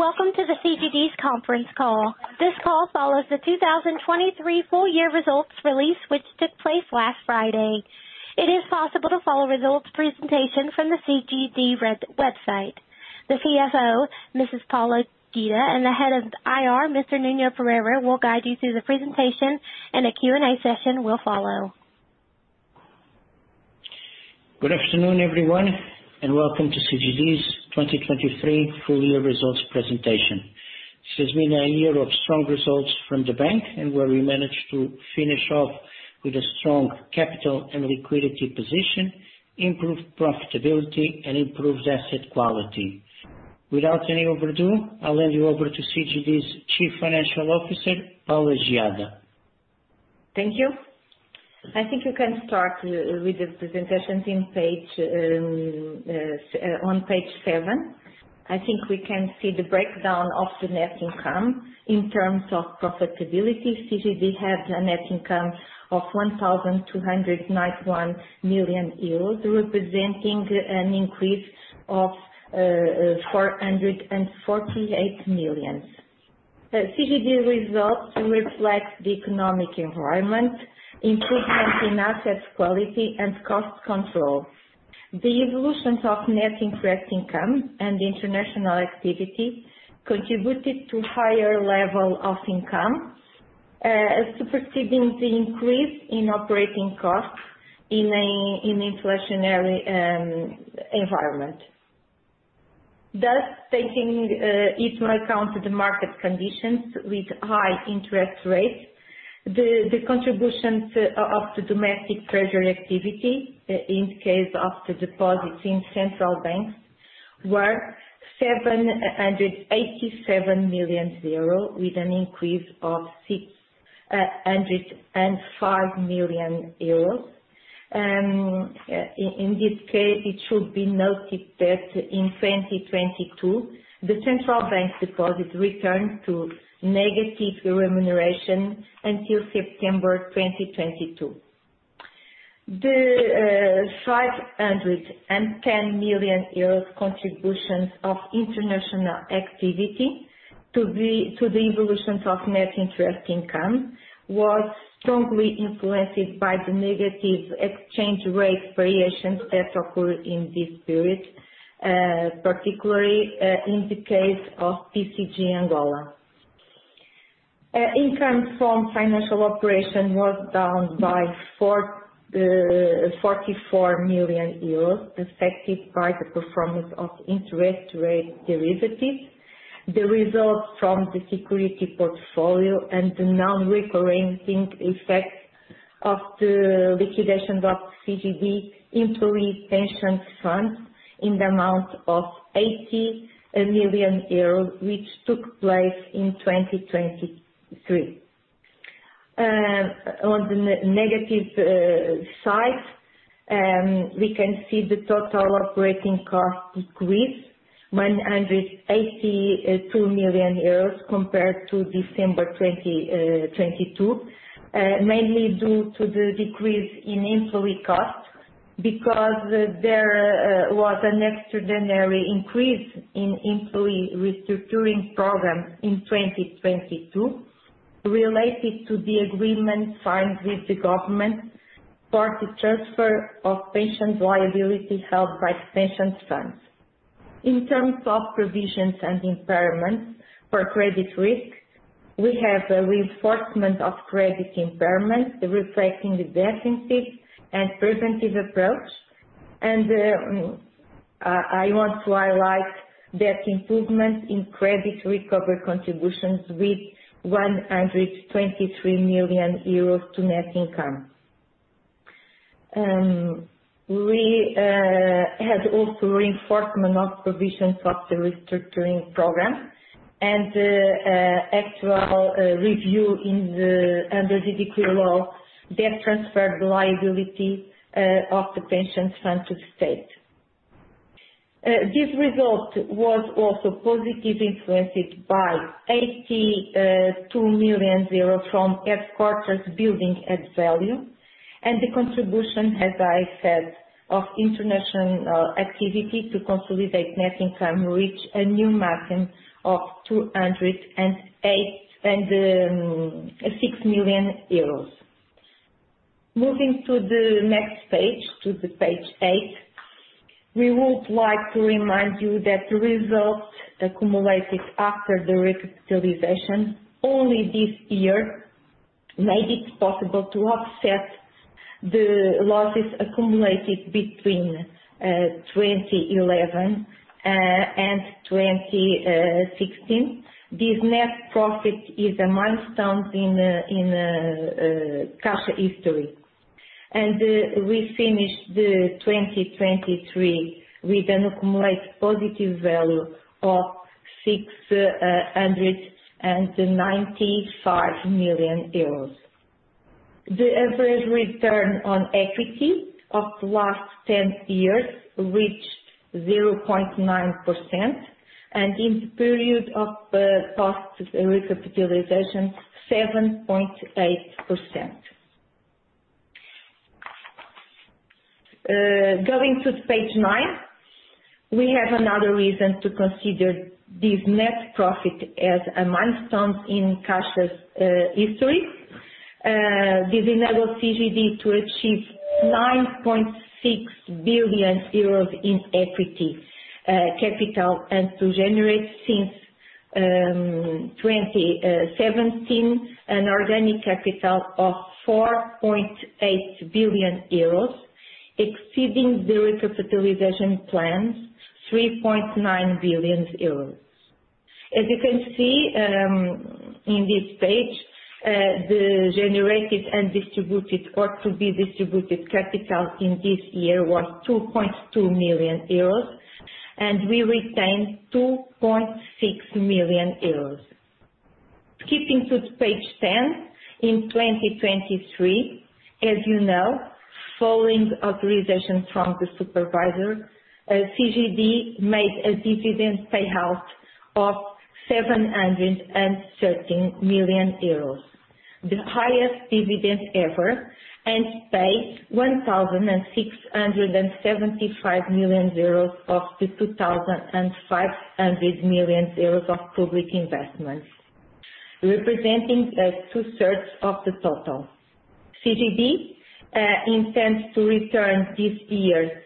Welcome to the CGD's conference call. This call follows the 2023 full year results release, which took place last Friday. It is possible to follow results presentation from the CGD IR website. The CFO, Mrs. Paula Geada, and the head of IR, Mr. Nuno Pereira, will guide you through the presentation, and a Q&A session will follow. Good afternoon, everyone, and welcome to CGD's 2023 full year results presentation. This has been a year of strong results from the bank, and where we managed to finish off with a strong capital and liquidity position, improved profitability and improved asset quality. Without any further ado, I'll hand you over to CGD's Chief Financial Officer, Paula Geada. Thank you. I think you can start with the presentations on page seven. I think we can see the breakdown of the net income. In terms of profitability, CGD had a net income of 1,291 million euros, representing an increase of 448 million. CGD results reflect the economic environment, improvement in asset quality and cost control. The evolution of net interest income and international activity contributed to higher level of income as superseding the increase in operating costs in an inflationary environment. Thus, taking into account the market conditions with high interest rates, the contributions of the domestic treasury activity, in the case of the deposits in central banks, were 787 million euros, with an increase of 605 million euros. In this case, it should be noted that in 2022, the central bank deposits returned to negative remuneration until September 2022. The 510 million euros contributions of international activity to the evolution of net interest income was strongly influenced by the negative exchange rate variations that occurred in this period, particularly in the case of BCG Angola. Income from financial operation was down by 44 million euros, affected by the performance of interest rate derivatives, the results from the security portfolio, and the non-recurrent effect of the liquidation of CGD employee pension fund in the amount of 80 million euros, which took place in 2023. On the negative side, we can see the total operating cost decrease, 182 million euros compared to December 2022. Mainly due to the decrease in employee costs, because there was an extraordinary increase in employee restructuring program in 2022, related to the agreement signed with the government for the transfer of pension liability held by pension funds. In terms of provisions and impairments for credit risk, we have a reinforcement of credit impairment, reflecting the defensive and preventive approach. I want to highlight that improvement in credit recovery contributions with 123 million euros to net income. We had also reinforcement of provisions of the restructuring program and actual review under the decree law that transferred liability of the pension fund to the state. This result was also positive, influenced by 82 million euros from headquarters building at value, and the contribution, as I said, of international activity to consolidate net income, reach a new maximum of 208.6 million euros. Moving to the next page, to page eight. We would like to remind you that the results accumulated after the recapitalization only this year made it possible to offset the losses accumulated between 2011 and 2016. This net profit is a milestone in cash history. We finished 2023 with an accumulated positive value of 695 million euros. The average return on equity of the last 10 years reached 0.9%, and in the period of post recapitalization, 7.8%. Going to page nine, we have another reason to consider this net profit as a milestone in Caixa's history. This enabled CGD to achieve 9.6 billion euros in equity capital, and to generate since 2017 an organic capital of 4.8 billion euros, exceeding the recapitalization plans 3.9 billion euros. As you can see, in this page, the generated and distributed, or to be distributed, capital in this year was 2.2 million euros, and we retained 2.6 million euros. Skipping to page 10, in 2023, as you know, following the authorization from the supervisor, CGD made a dividend payout of 713 million euros, the highest dividend ever, and paid 1,675 million euros of the 2,500 million euros of public investments, representing two-thirds of the total. CGD intends to return this year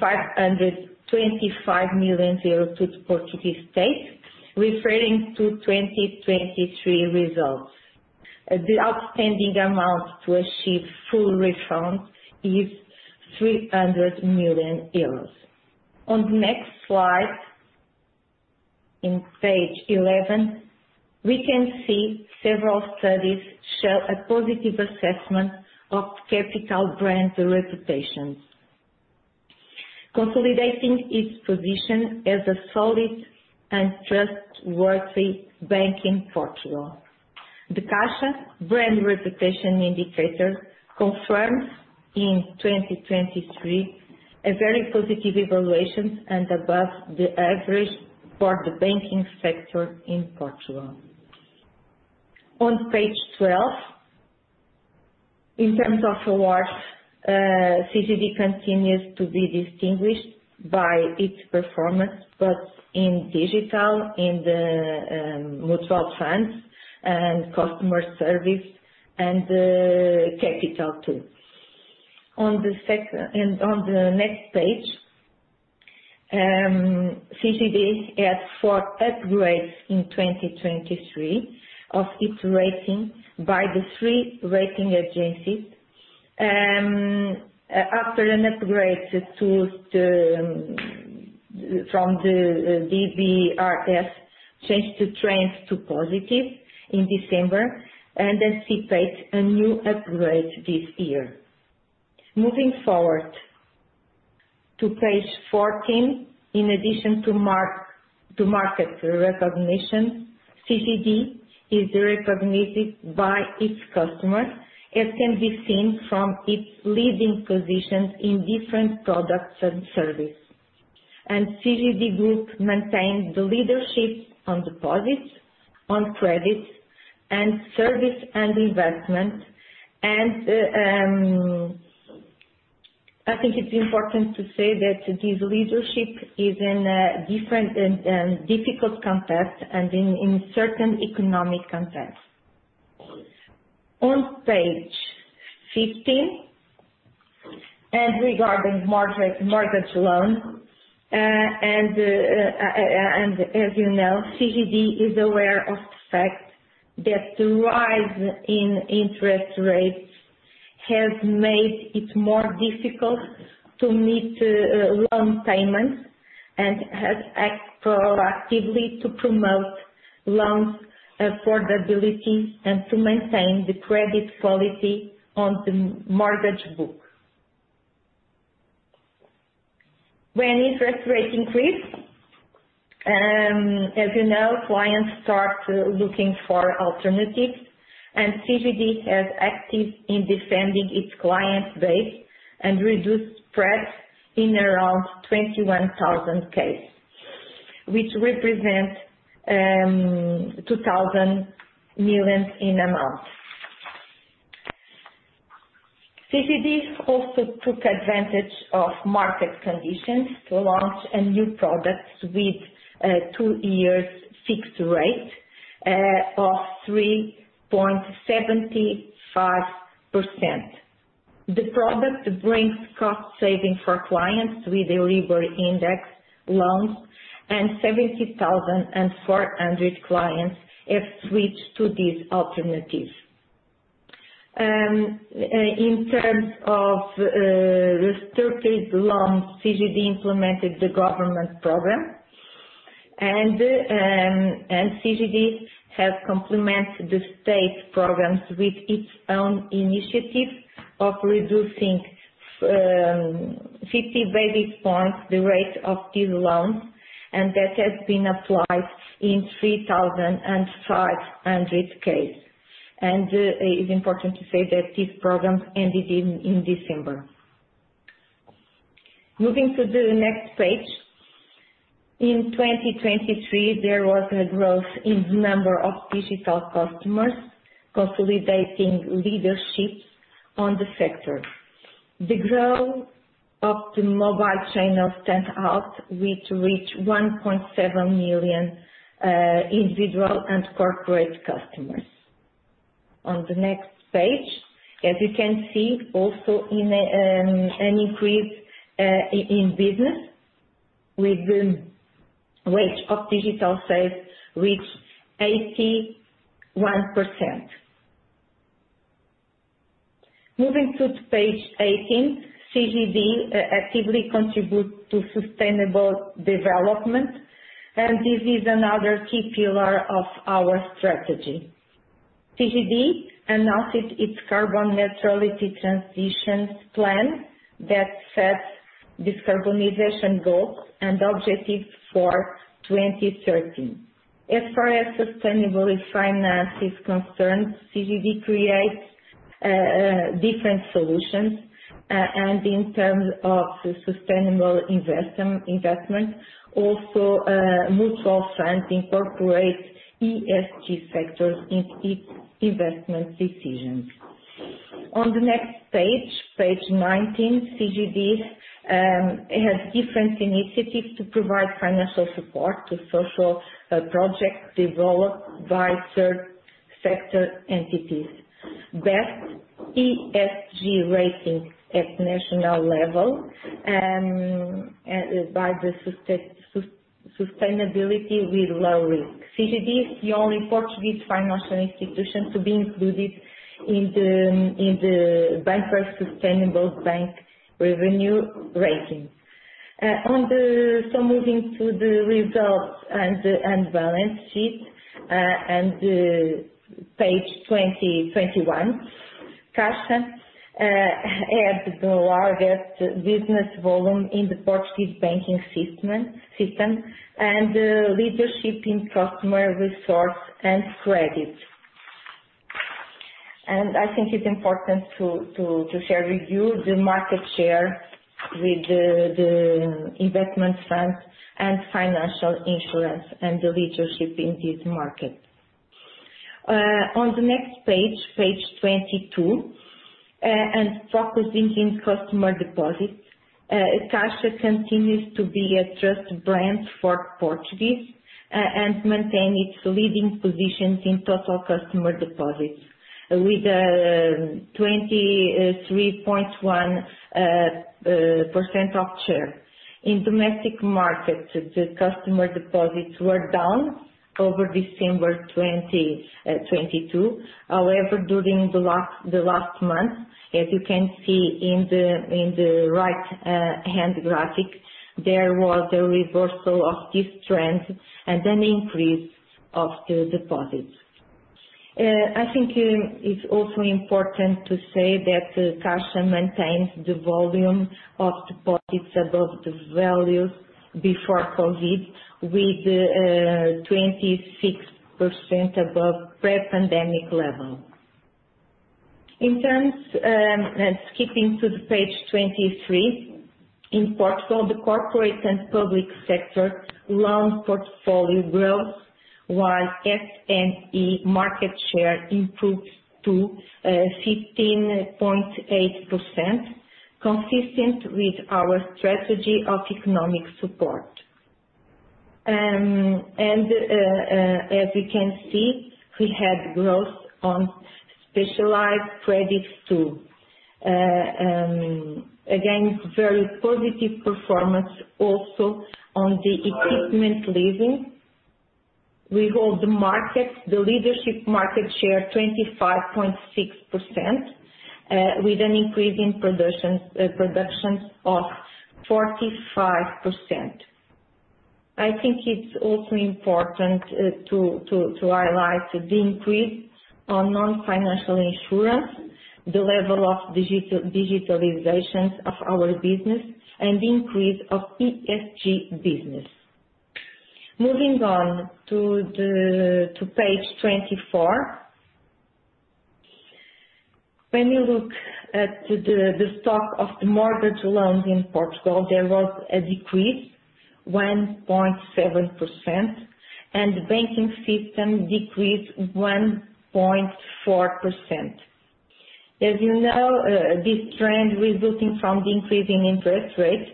525 million euros to the Portuguese state, referring to 2023 results. The outstanding amount to achieve full refund is 300 million euros. On the next slide, page 11, we can see several studies show a positive assessment of Caixa brand reputation, consolidating its position as a solid and trustworthy bank in Portugal. The Caixa Brand Reputation Indicator confirms, in 2023, a very positive evaluations and above the average for the banking sector in Portugal. On page 12, in terms of awards, CGD continues to be distinguished by its performance, both in digital, in the, mutual funds and customer service and, capital, too. On the next page, CGD had four upgrades in 2023 of its rating by the three rating agencies. After an upgrade from the DBRS, changed its outlook to positive in December, and anticipate a new upgrade this year. Moving forward to page 14. In addition to mark-to-market recognition, CGD is recognized by its customers, as can be seen from its leading positions in different products and service. CGD Group maintains the leadership on deposits, on credits, and service and investment. I think it's important to say that this leadership is in a different and difficult context and in certain economic context. On page 15, and regarding mortgage loans, as you know, CGD is aware of the fact that the rise in interest rates has made it more difficult to meet loan payments, and has acted proactively to promote loans affordability and to maintain the credit quality on the mortgage book. When interest rates increase, as you know, clients start looking for alternatives, and CGD has acted in defending its client base and reduced spreads in around 21,000 cases, which represent EUR 2,000 million in amount. CGD also took advantage of market conditions to launch a new product with two years fixed rate of 3.75%. The product brings cost saving for clients with variable indexed loans, and 70,400 clients have switched to this alternative. In terms of restructured loans, CGD implemented the government program, and CGD has complemented the state programs with its own initiative of reducing 50 basis points the rate of these loans, and that has been applied in 3,500 cases. It's important to say that this program ended in December. Moving to the next page. In 2023, there was a growth in the number of digital customers, consolidating leadership on the sector. The growth of the mobile channel stands out, which reached 1.7 million individual and corporate customers. On the next page, as you can see, also in an increase in business with the weight of digital sales reached 81%. Moving to page 18, CGD actively contributes to sustainable development, and this is another key pillar of our strategy. CGD announced its carbon neutrality transition plan that sets decarbonization goals and objectives for 2030. As far as sustainable finance is concerned, CGD creates different solutions, and in terms of sustainable investment, also, mutual funds incorporate ESG factors in its investment decisions. On the next page, page 19, CGD has different initiatives to provide financial support to social projects developed by third sector entities. Best ESG rating at national level, and by the sustainability with low risk. CGD is the only Portuguese financial institution to be included in The Banker’s Sustainable Banking Revenues Ranking. On the results and the balance sheet, page 20-21. Caixa had the largest business volume in the Portuguese banking system and leadership in customer resource and credit. And I think it's important to share with you the market share with the investment funds and financial insurance, and the leadership in this market. On the next page, page 22, and focusing in customer deposits, Caixa continues to be a trusted brand for Portuguese and maintain its leading positions in total customer deposits with 23.1% share. In domestic markets, the customer deposits were down over December 2022. However, during the last month, as you can see in the right hand graphic, there was a reversal of this trend and an increase of the deposits. I think it's also important to say that Caixa maintains the volume of deposits above the values before COVID, with 26% above pre-pandemic level. Skipping to page 23. In Portugal, the corporate and public sector loan portfolio growth, while SME market share improved to 15.8%, consistent with our strategy of economic support. And as you can see, we had growth on specialized credits, too. Again, very positive performance also on the equipment leasing. We hold the market leadership market share 25.6%, with an increase in productions of 45%. I think it's also important to highlight the increase on non-financial insurance, the level of digitalization of our business, and the increase of ESG business. Moving on to page 24. When you look at the stock of the mortgage loans in Portugal, there was a decrease 1.7%, and the banking system decreased 1.4%. As you know, this trend resulting from the increasing interest rates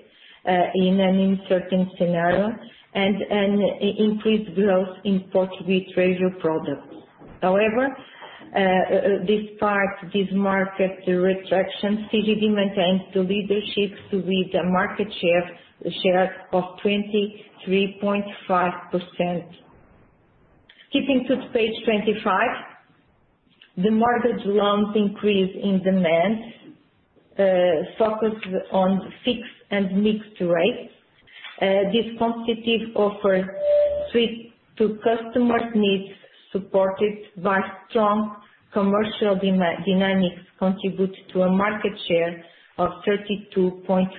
in an uncertain scenario, and increased growth in Portuguese treasury products. However, this part, this market retraction, CGD maintains the leadership with a market share of 23.5%. Skipping to page 25, the mortgage loans increase in demand focused on fixed and mixed rates. This competitive offer suit to customers' needs, supported by strong commercial dynamics, contribute to a market share of 32.8%.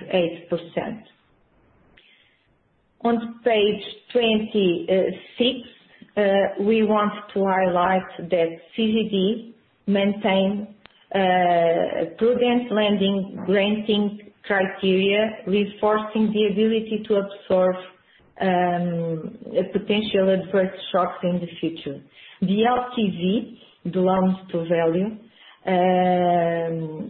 On page 26, we want to highlight that CGD maintain a prudent lending granting criteria, reinforcing the ability to absorb a potential adverse shocks in the future. The LTV, the loans to value,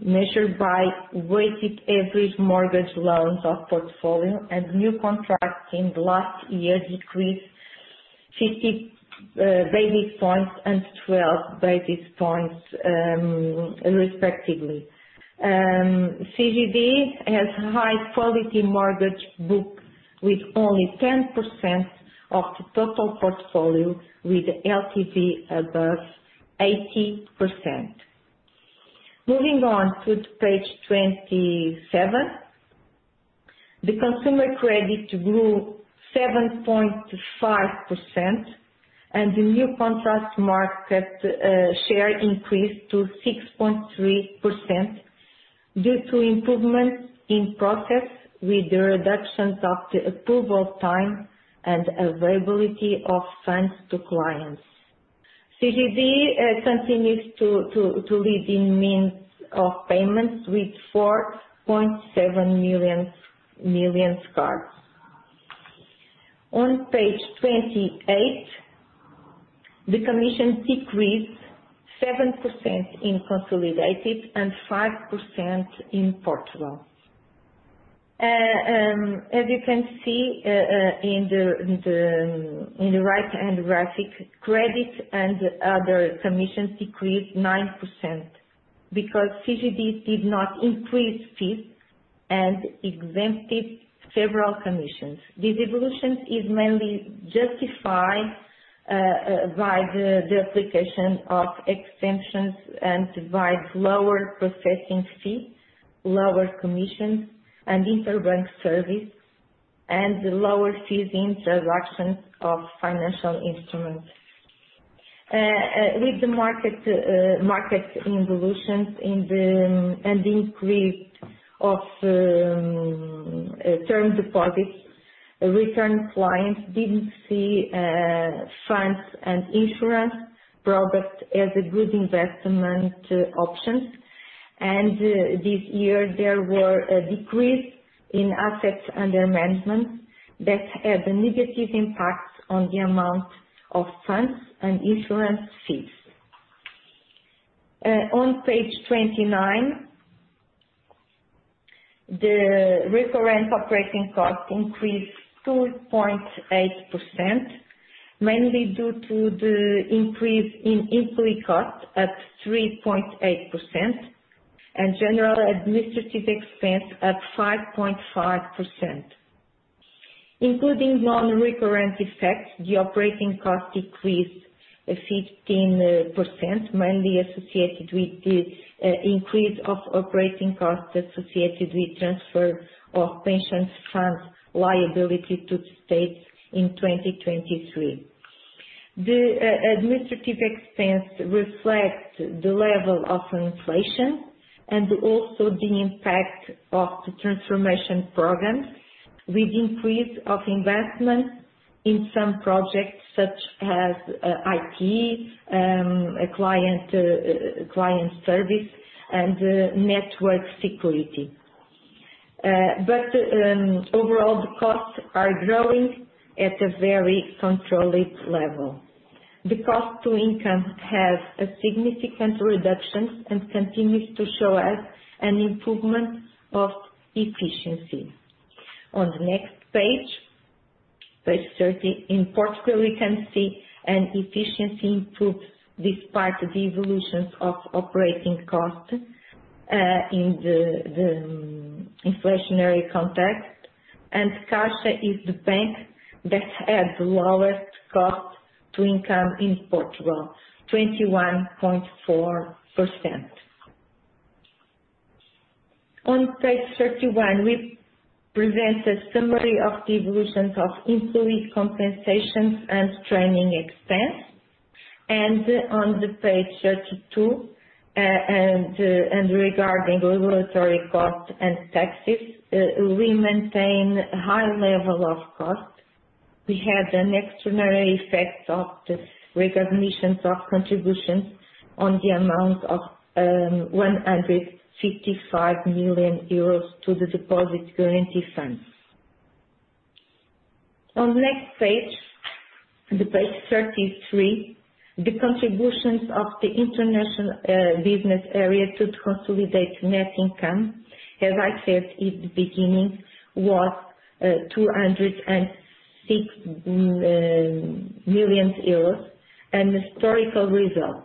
measured by weighted average mortgage loans of portfolio and new contracts in the last year decreased 50 basis points and 12 basis points, respectively. CGD has high quality mortgage book, with only 10% of the total portfolio, with LTV above 80%. Moving on to page 27, the consumer credit grew 7.5%, and the new contract market share increased to 6.3%, due to improvements in process with the reductions of the approval time and availability of funds to clients. CGD continues to lead in means of payments with 4.7 million cards. On page 28, the commission decreased 7% in consolidated and 5% in Portugal. As you can see, in the right-hand graphic, credit and other commissions decreased 9% because CGD did not increase fees and exempted several commissions. This evolution is mainly justified by the application of exemptions and by lower processing fees, lower commissions and interbank services, and lower fees in transaction of financial instruments. With the market, market evolutions in the-- and increase of term deposits, our clients didn't see funds and insurance products as good investment options. This year there were a decrease in assets under management that had a negative impact on the amount of funds and insurance fees. On page 29, the recurrent operating cost increased 2.8%, mainly due to the increase in employee cost at 3.8% and general administrative expense at 5.5%. Including non-recurrent effects, the operating cost decreased 15%, mainly associated with the increase of operating costs associated with transfer of pension funds liability to the state in 2023. The administrative expense reflects the level of inflation and also the impact of the transformation program, with increase of investment in some projects, such as IT, client service and network security. But overall, the costs are growing at a very controlled level. The cost to income has a significant reduction and continues to show us an improvement of efficiency. On the next page, page 30, in Portugal, we can see an efficiency improvement, despite the evolutions of operating costs in the inflationary context, and Caixa is the bank that has the lowest cost to income in Portugal, 21.4%. On page 31, we present a summary of the evolutions of employee compensations and training expense. On page 32, regarding regulatory costs and taxes, we maintain a high level of cost. We had an extraordinary effect of the recognitions of contributions on the amount of 155 million euros to the Deposit Guarantee Fund. On the next page, the page 33, the contributions of the international business area to consolidate net income, as I said in the beginning, was 206 million euros, an historical result.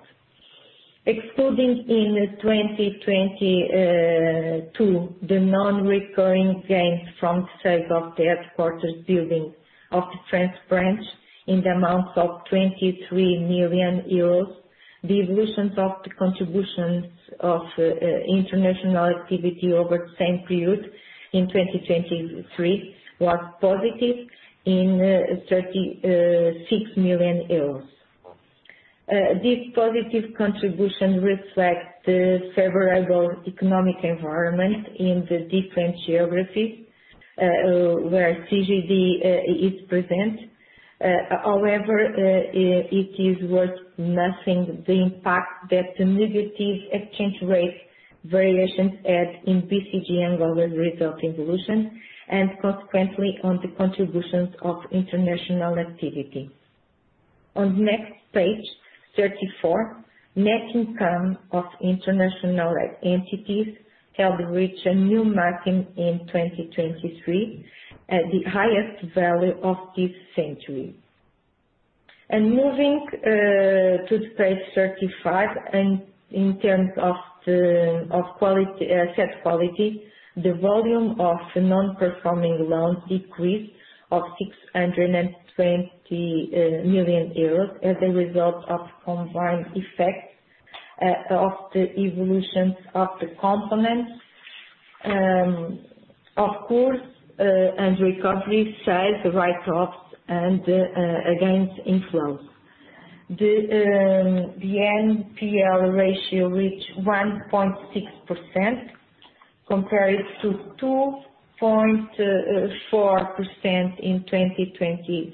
Excluding in 2022 the non-recurring gains from sale of the headquarters building of the French branch in the amount of 23 million euros. The evolutions of the contributions of international activity over the same period in 2023 was positive in 36 million euros. This positive contribution reflects the favorable economic environment in the different geographies where CGD is present. However, it is worth noting the impact that the negative exchange rate variations had in BCG Angola result evolution, and consequently on the contributions of international activity. On next page, 34, net income of international entities helped reach a new maximum in 2023, at the highest value of this century. Moving to page 35, and in terms of the quality of asset quality, the volume of non-performing loans decreased of 620 million euros as a result of combined effect of the evolutions of the components. Of course, and recovery side, the write-offs and against inflows. The NPL ratio reached 1.6% compared to 2.4% in 2022,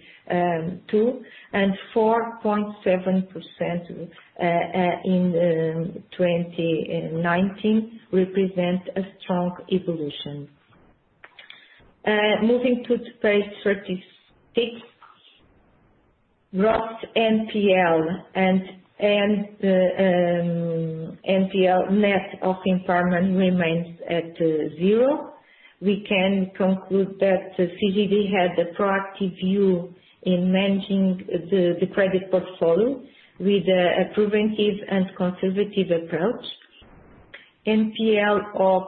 and 4.7% in 2019, represent a strong evolution. Moving to page 36, gross NPL and NPL net of impairment remains at zero. We can conclude that CGD had a proactive view in managing the credit portfolio with a preventive and conservative approach. NPL of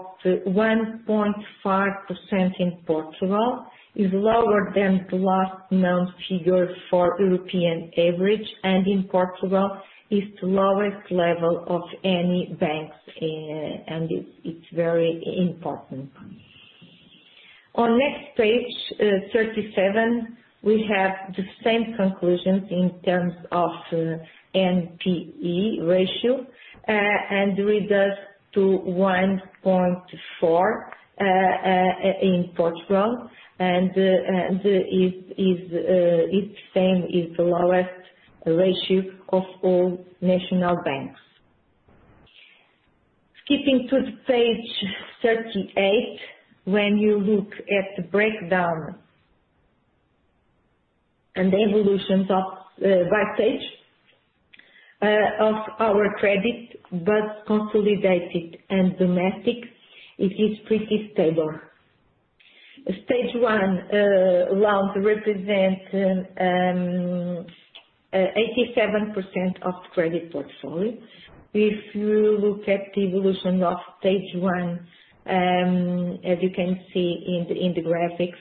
1.5% in Portugal is lower than the last known figure for European average, and in Portugal is the lowest level of any banks, and it's very important. On next page, 37, we have the same conclusions in terms of NPE ratio and reduced to 1.4 in Portugal. And it is the same, the lowest ratio of all national banks. Skipping to page 38, when you look at the breakdown and the evolutions by stage of our credit, both consolidated and domestic, it is pretty stable. Stage 1 now represents 87% of credit portfolio. If you look at the evolution of Stage 1, as you can see in the graphics,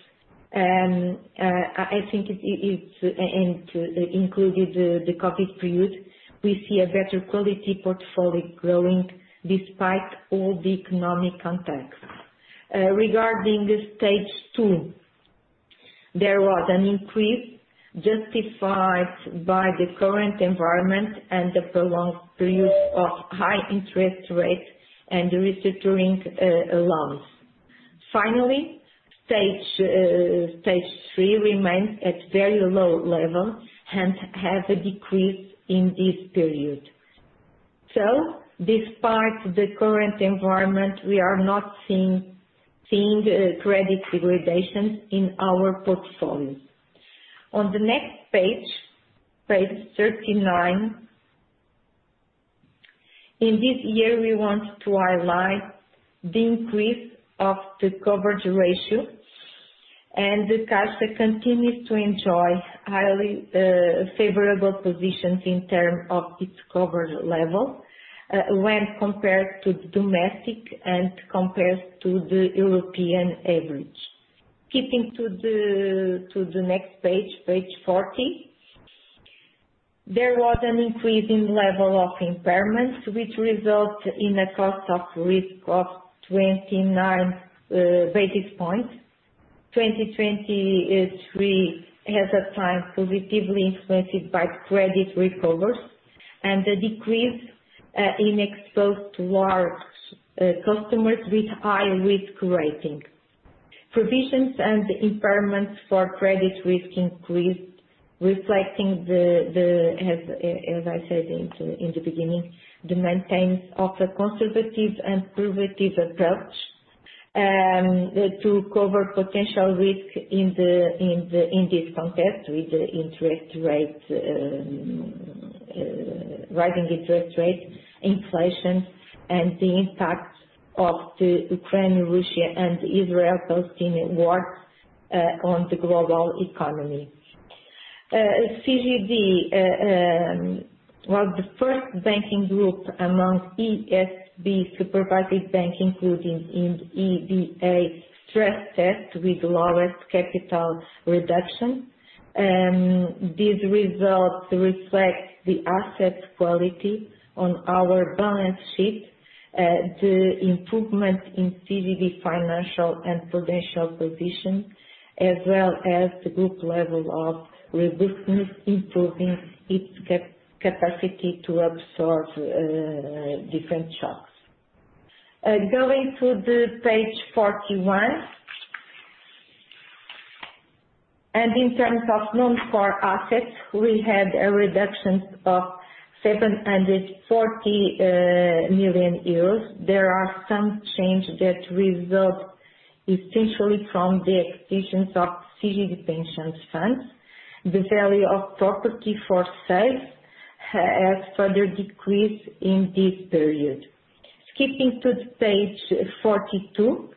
I think it's - and including the COVID period, we see a better quality portfolio growing despite all the economic context. Regarding the Stage 2, there was an increase justified by the current environment and the prolonged use of high interest rates and restructuring loans. Finally, Stage 3 remains at very low level and has a decrease in this period. So despite the current environment, we are not seeing credit degradations in our portfolios. On the next page, page 39, in this year, we want to highlight the increase of the coverage ratio, and the customer continues to enjoy highly favorable positions in terms of its coverage level, when compared to the domestic and compared to the European average. Skipping to the next page, page 40. There was an increase in level of impairments, which resulted in a cost of risk of 29 basis points. 2023, at the time, positively influenced by credit recoveries and a decrease in exposure to our customers with high risk rating. Provisions and impairments for credit risk increased, reflecting the... As I said in the beginning, the maintenance of a conservative and preventive approach to cover potential risk in this context, with the interest rates, rising interest rates, inflation, and the impact of the Ukraine, Russia and Israel-Palestine war on the global economy. CGD was the first banking group amongst ECB supervised banks, including in EBA stress test, with lowest capital reduction. These results reflect the asset quality on our balance sheet, the improvement in CGD financial and prudential position, as well as the group level of robustness, improving its capacity to absorb different shocks. Going to the page 41. And in terms of non-core assets, we had a reduction of 740 million euros. There are some change that result essentially from the acquisitions of CGD Pensions Fund. The value of property for sale has further decreased in this period. Skipping to page 42,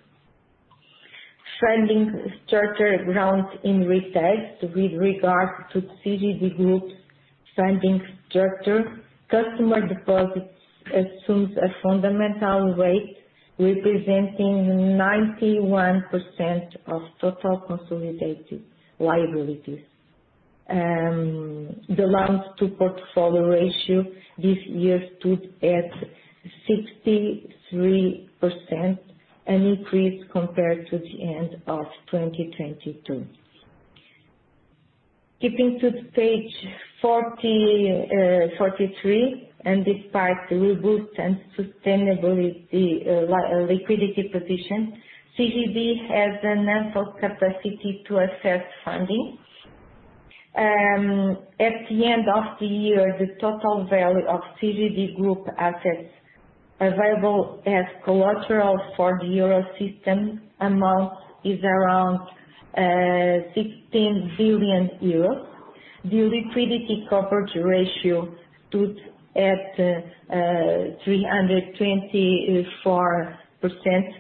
funding structure grounds in retail with regard to CGD Group funding structure, customer deposits assumes a fundamental rate, representing 91% of total consolidated liabilities. The loans-to-deposit ratio this year stood at 63%, an increase compared to the end of 2022. Skipping to page 43, and this part, Robust and Sustainability, Liquidity Position. CGD has an ample capacity to access funding. At the end of the year, the total value of CGD Group assets available as collateral for the Eurosystem amount is around 16 billion euros. The liquidity coverage ratio stood at 324%.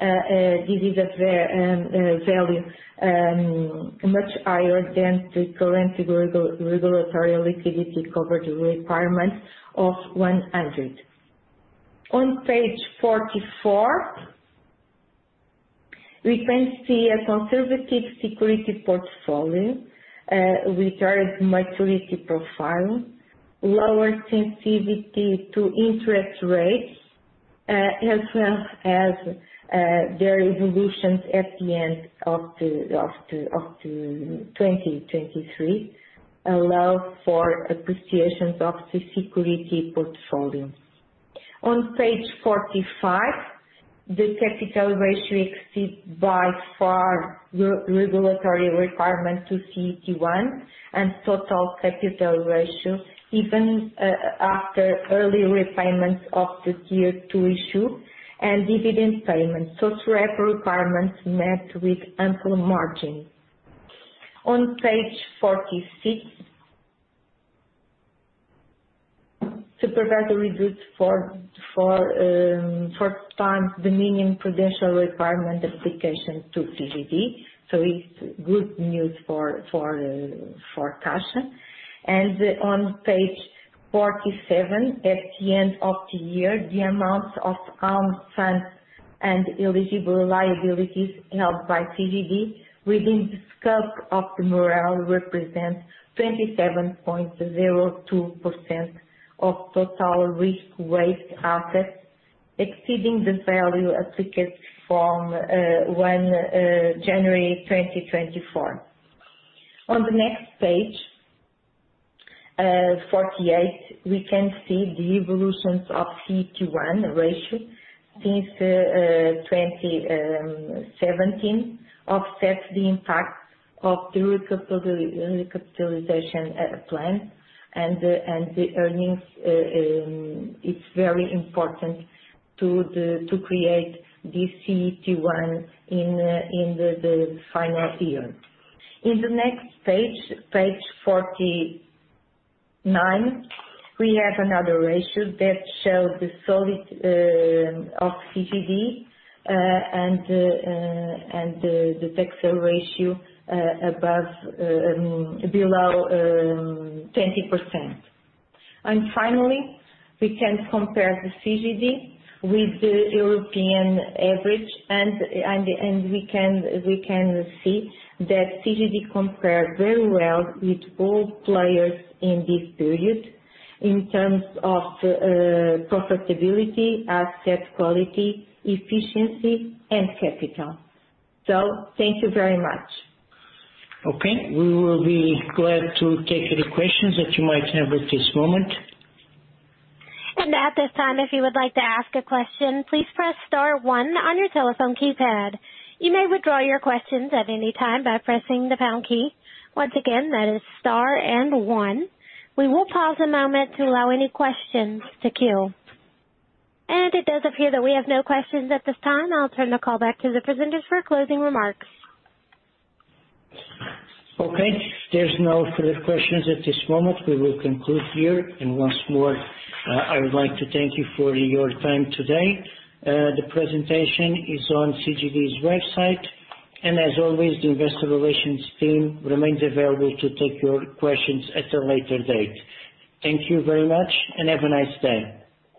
This is a very value much higher than the current regulatory liquidity coverage requirement of 100%. On page 44, we can see a conservative security portfolio with higher maturity profile, lower sensitivity to interest rates, as well as their evolutions at the end of 2023 allow for appreciations of security portfolio. On page 45, the capital ratio exceeds by far the regulatory requirement to CET1 and total capital ratio, even after early repayment of the Tier 2 issue and dividend payments. So all requirements met with ample margin. On page 46, supervisory good four times the minimum prudential requirement applicable to CGD, so it's good news for cash. On page 47, at the end of the year, the amount of own funds and eligible liabilities held by CGD within the scope of the MREL represents 27.02% of total risk-weighted assets, exceeding the value applicable from 1 January 2024. On the next page, 48, we can see the evolutions of CET1 ratio since 2017, offset the impact of the recapitalization plan and the earnings, it's very important to create this CET1 in the final year. On the next page, page 49, we have another ratio that shows the solidity of CGD and the Texas ratio well below 20%. And finally, we can compare the CGD with the European average, and we can see that CGD compare very well with all players in this period in terms of profitability, asset quality, efficiency, and capital. So thank you very much. Okay. We will be glad to take any questions that you might have at this moment. At this time, if you would like to ask a question, please press star one on your telephone keypad. You may withdraw your questions at any time by pressing the pound key. Once again, that is star and one. We will pause a moment to allow any questions to queue. It does appear that we have no questions at this time. I'll turn the call back to the presenters for closing remarks. Okay. There's no further questions at this moment. We will conclude here, and once more, I would like to thank you for your time today. The presentation is on CGD's website, and as always, the investor relations team remains available to take your questions at a later date. Thank you very much, and have a nice day.